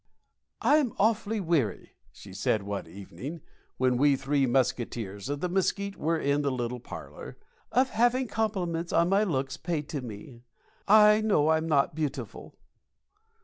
"I'm awfully weary," she said, one evening, when we three musketeers of the mesquite were in the little parlor, "of having compliments on my looks paid to me. I know I'm not beautiful."